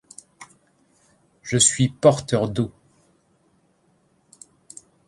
Je suis porteur d'eau.